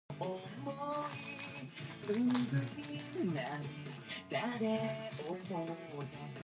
Nearby, the soldier spies a paper ballerina with a spangle on her sash.